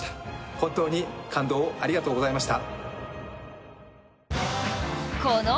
本当に感動をありがとうございました。